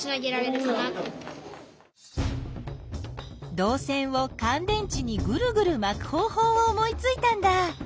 どう線をかん電池にぐるぐるまく方ほうを思いついたんだ。